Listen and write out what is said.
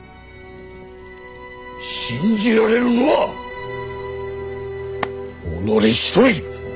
信じられるのは己一人！